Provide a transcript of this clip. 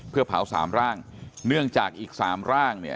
เพื่อเผา๓ร่างเนื่องจากอีก๓ร่าง